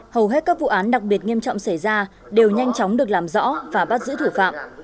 hầu hết các vụ án đặc biệt nghiêm trọng xảy ra đều nhanh chóng được làm rõ và bắt giữ thủ phạm